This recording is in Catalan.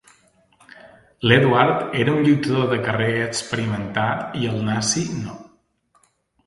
L'Edward era un lluitador de carrer experimentat i el nazi no.